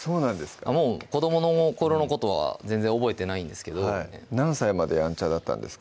子どもの頃のことは全然覚えてないんですけど何歳までやんちゃだったんですか？